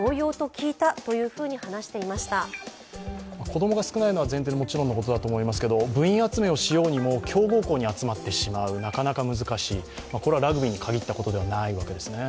子供が少ないのが前提でもちろんのことだと思いますが部員集めをしようにも強豪校に集まってしまう、なかなか難しい、これはラグビーに限ったことではないわけですね。